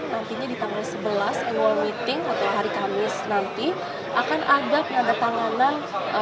nantinya di tanggal sebelas annual meeting atau hari kamis nanti akan ada penandatanganan